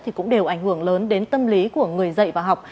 thì cũng đều ảnh hưởng lớn đến tâm lý của người dạy và học